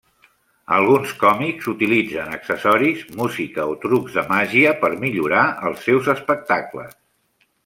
Alguns còmics utilitzen accessoris, música o trucs de màgia per millorar els seus espectacles.